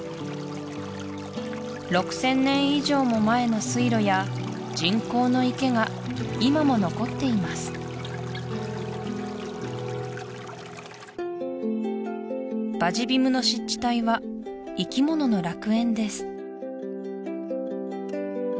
６０００年以上も前の水路や人工の池が今も残っていますバジ・ビムの湿地帯は生き物の楽園です